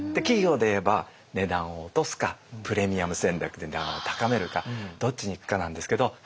企業でいえば値段を落とすかプレミアム戦略で名を高めるかどっちに行くかなんですけど。